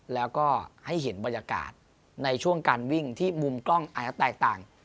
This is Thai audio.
แล้วก็ให้เห็นบรรยากาศในช่วงการวิ่งที่มุมกล้องอาจจะแตกต่าง